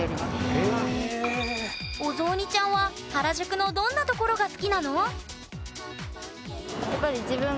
お雑煮ちゃんは原宿のどんなところが好きなの？